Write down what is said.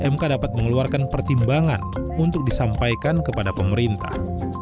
mk dapat mengeluarkan pertimbangan untuk disampaikan kepada pemerintah